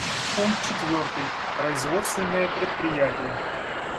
Пункт четвертый: производственные предприятия.